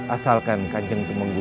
asalkan kanjeng kemung